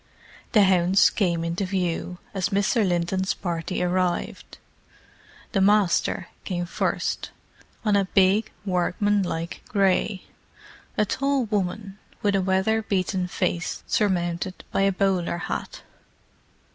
The hounds came into view as Mr. Linton's party arrived. The "Master" came first, on a big, workmanlike grey; a tall woman, with a weatherbeaten face surmounted by a bowler hat.